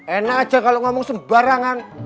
enak aja kalau ngomong sembarangan